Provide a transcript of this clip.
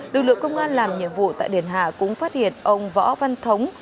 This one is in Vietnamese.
lực lượng công an làm nhiệm vụ tại đền hạ cũng phát hiện ông võ văn thống